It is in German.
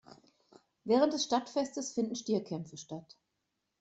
Während des Stadtfestes finden Stierkämpfe statt.